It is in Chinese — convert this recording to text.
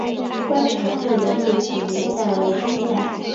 观察第的历史年代为清代。